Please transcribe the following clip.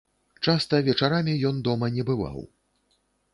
Часта вечарамі ён дома не бываў.